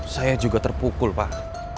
saya juga terpukul pak